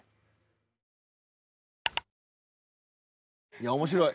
いや面白い。